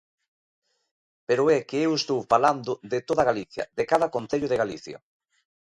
Pero é que eu estou falando de toda Galicia, de cada concello de Galicia.